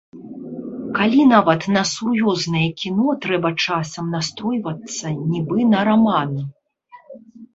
Калі нават на сур'ёзнае кіно трэба часам настройвацца нібы на раман.